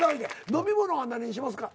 飲み物は何にしますか？